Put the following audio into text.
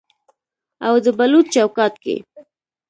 او د بلوط چوکاټ کې